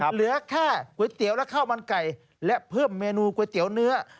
เหลือแค่ก๋วยเตี๋ยวและข้าวมันไก่และเพิ่มเมนูก๋วยเตี๋ยวเนื้อ